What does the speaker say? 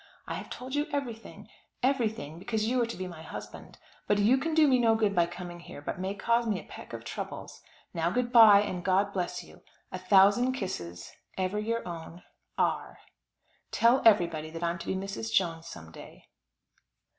I have told you everything everything, because you are to be my husband. But you can do me no good by coming here, but may cause me a peck of troubles. Now, good bye, and God bless you. A thousand kisses. Ever your own, R. Tell everybody that I'm to be Mrs. Jones some day.